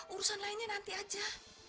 urusan lainnya nanti aja